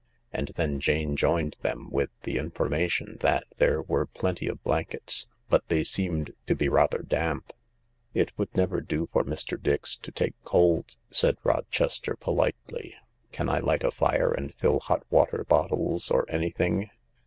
And then Jane joined them with the information that there were plenty of blankets but they seemed to be rather damp. " It would never do for Mr. Dix to take cold," said Roches ter politely. " Can I light a fire and fill hot water bottles or anything